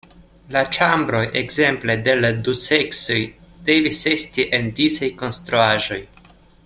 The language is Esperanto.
La ĉambroj, ekzemple, de la du seksoj devis esti en disaj konstruaĵoj.